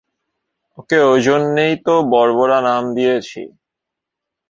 ওকে ঐজন্যেই তো বর্বরা নাম দিয়েছি।